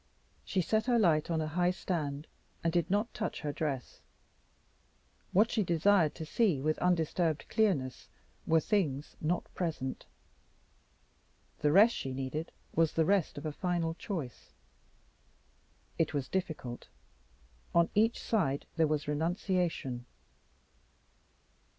She set her light on a high stand, and did not touch her dress. What she desired to see with undisturbed clearness were things not present: the rest she needed was the rest of a final choice. It was difficult. On each side there was renunciation.